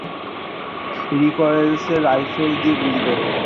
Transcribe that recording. Recoilless rifle দিয়ে গুলি কর!